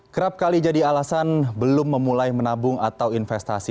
kerap kali jadi alasan belum memulai menabung atau investasi